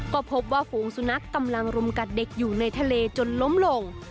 ก็พบว่าฝูงสุนัขกำลังรุมกัดเด็กอยู่ในทะเลจนล้มลง